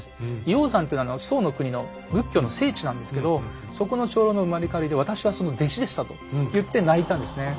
「医王山」というのは宋の国の仏教の聖地なんですけどそこの長老の生まれ変わりで私はその弟子でしたと言って泣いたんですね。